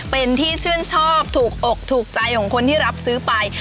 เป็นที่ชื่นชอบถูกอกถูกใจของคนที่รับซื้อไป